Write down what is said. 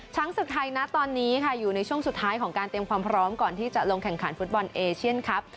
ศึกไทยนะตอนนี้ค่ะอยู่ในช่วงสุดท้ายของการเตรียมความพร้อมก่อนที่จะลงแข่งขันฟุตบอลเอเชียนครับ